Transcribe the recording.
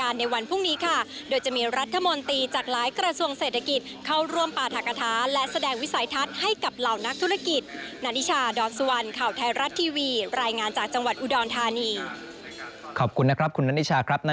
รัดทีวีรายงานจากจังหวัดอุดองทานีขอบคุณนะครับคุณนานิชาครับ